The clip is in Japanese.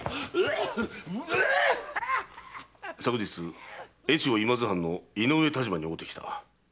昨日越後今津藩の井上但馬に会うてきた。